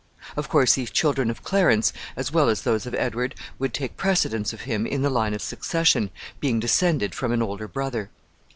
Of course, these children of Clarence, as well as those of Edward, would take precedence of him in the line of succession, being descended from an older brother.